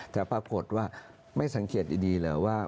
แต่ปรากฏว่าไม่สังเกตดีเหรอว่า